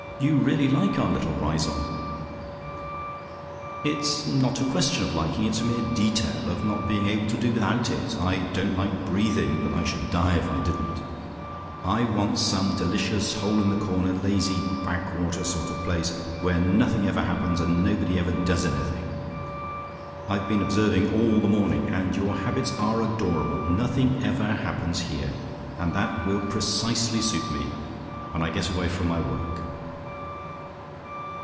"You really like our little Riseholme?" "It's not a question of liking; it's a mere detail of not being able to do without it. I don't like breathing, but I should die if I didn't. I want some delicious, hole in the corner, lazy backwater sort of place, where nothing ever happens, and nobody ever does anything. I've been observing all the morning, and your habits are adorable. Nothing ever happens here, and that will precisely suit me, when I get away from my work."